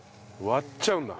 割っちゃうんだ。